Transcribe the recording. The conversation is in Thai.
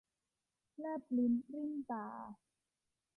แลบลิ้นปลิ้นตา